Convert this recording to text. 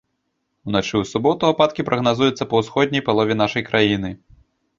Уначы ў суботу ападкі прагназуюцца па ўсходняй палове нашай краіны.